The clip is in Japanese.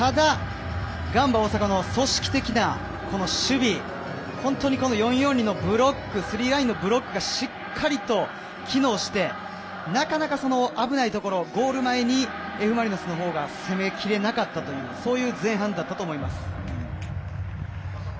ガンバ大阪の組織的な守備、本当に４−４−２のブロック３ラインのブロックがしっかりと機能してなかなか危ないところゴール前にＦ・マリノスの方が攻めきれなかったそういう前半だったと思います。